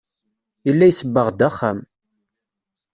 Yella isebbeɣ-d axxam.